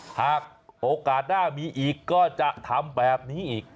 หากโอกาสหน้ามีอีกก็จะทำแบบนี้อีก